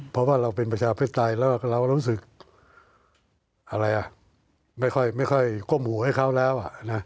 เพราะว่าเราเป็นประชาธิปไตยแล้วเรารู้สึกอะไรอ่ะไม่ค่อยก้มหูให้เขาแล้ว